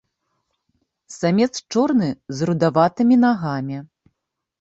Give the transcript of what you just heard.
Самец чорны з рудаватымі нагамі.